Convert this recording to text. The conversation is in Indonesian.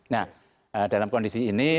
nah dalam kondisi ini